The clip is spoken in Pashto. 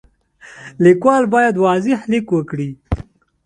لیکوال باید واضح لیک وکړي.